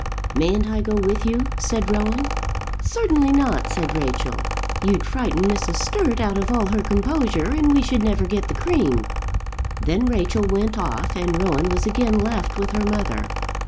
"Mayn't I go with you?" said Rowan. "Certainly not," said Rachel. "You'd frighten Mrs. Sturt out of all her composure, and we should never get the cream." Then Rachel went off, and Rowan was again left with her mother.